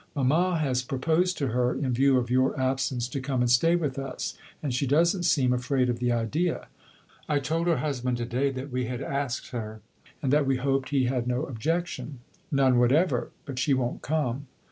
Mamma has proposed to her in view of your absence to come and stay with us, and she does n't seem afraid of the idea. I told her husband to day that we had asked her, and that we hoped he had no objection. 'None whatever; but she won't come.